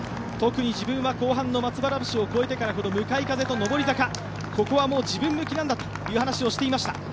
特に自分は後半の松原橋を越えてからの向かい風と上り坂、ここは自分向きなんだという話をしていました。